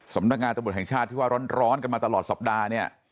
สำนักงานตำรวจแห่งชาติที่ว่าร้อนกันมาตลอดสัปดาห์เนี่ย